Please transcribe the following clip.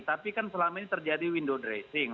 tapi kan selama ini terjadi window dressing